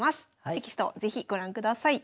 テキストを是非ご覧ください。